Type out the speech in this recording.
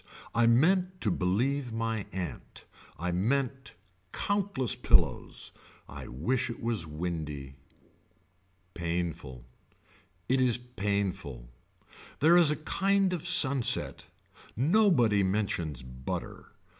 I meant to believe my aunt. I mean countless pillows. I wish it was windy. Painful. It is painful. There is a kind of sunset, nobody mentions butter.